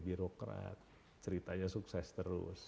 birokrat ceritanya sukses terus